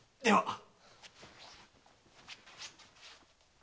では！